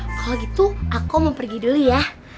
oh kalau gitu aku mau pergi dulu ya